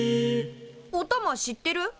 おたま知ってる？